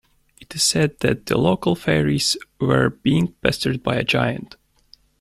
It is said that the local fairies were being pestered by a giant.